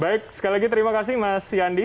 baik sekali lagi terima kasih mas yandi